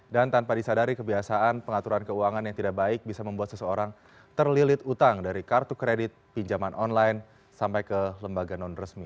dan tanpa disadari kebiasaan pengaturan keuangan yang tidak baik bisa membuat seseorang terlilit utang dari kartu kredit pinjaman online sampai ke lembaga non resmi